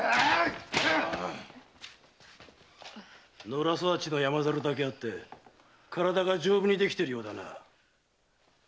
野良育ちの山猿だけあって体が丈夫にできてるようだな。